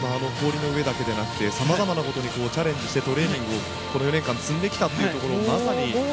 氷の上だけでなくてさまざまなことにチャレンジしてトレーニングをこの４年間積んできたというところがまさに。